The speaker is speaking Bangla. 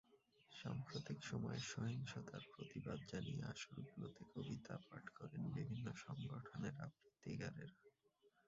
সাম্প্রতিক সময়ের সহিংসতার প্রতিবাদ জানিয়ে আসরগুলোতে কবিতা পাঠ করেন বিভিন্ন সংগঠনের আবৃত্তিকারেরা।